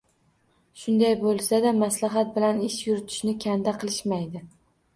Shunday bo`lsa-da maslahat bilan ish yuritishni kanda qilishmaydi